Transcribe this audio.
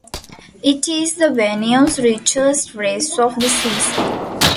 It is the venue's richest race of the season.